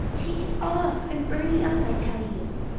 take it off! I'm burning up, I tell you!"